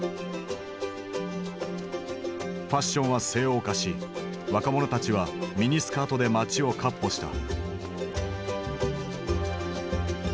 ファッションは西欧化し若者たちはミニスカートで街を闊歩した。